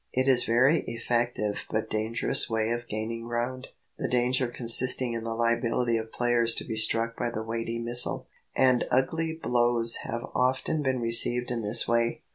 It is a very effective but dangerous way of gaining ground, the danger consisting in the liability of players to be struck by the weighty missile, and ugly blows have often been received in this way.